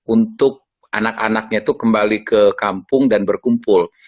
untuk anak anaknya itu kembali ke kampung dan berkumpul